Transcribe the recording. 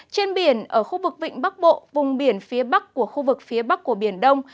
trên biển ở khu vực vịnh bắc bộ vùng biển phía bắc của khu vực phía bắc của biển đông